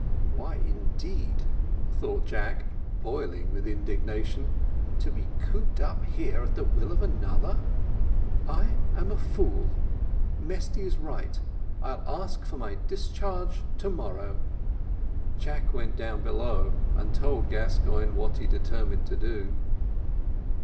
"Why, indeed," thought Jack, boiling with indignation, "to be cooped up here at the will of another? I am a fool Mesty is right I'll ask for my discharge to morrow." Jack went down below and told Gascoigne what he had determined to do.